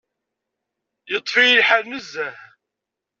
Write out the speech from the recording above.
Yeṭṭef-iyi lḥal nezzeh.